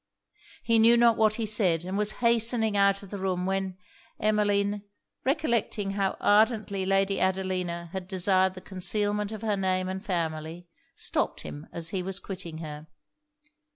He knew not what he said; and was hastening out of the room, when Emmeline, recollecting how ardently Lady Adelina had desired the concealment of her name and family, stopped him as he was quitting her.